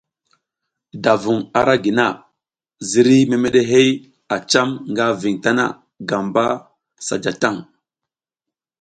Da vung ara gi na, ziriy memeɗehey a cam nga ving tana gamba sa ja tang.